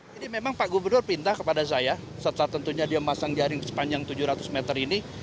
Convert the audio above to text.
jadi memang pak gubernur pinta kepada saya setelah tentunya dia memasang jaring sepanjang tujuh ratus meter ini